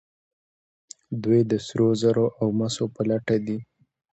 دوی د سرو زرو او مسو په لټه دي.